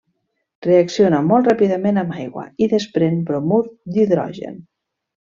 Reacciona molt ràpidament amb aigua i desprèn bromur d'hidrogen.